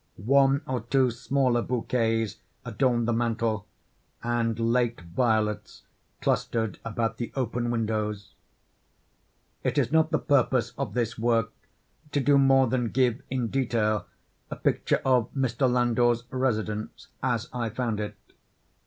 One or two smaller bouquets adorned the mantel, and late violets clustered about the open windows. It is not the purpose of this work to do more than give in detail, a picture of Mr. Landor's residence—as I found it.